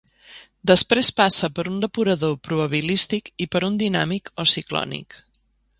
Després passa per un depurador probabilístic i per un dinàmic o ciclònic.